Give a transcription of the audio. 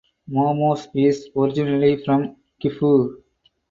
Momose is originally from Gifu.